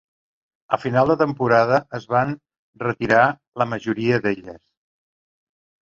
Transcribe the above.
A final de temporada es van retirar la majoria d'elles.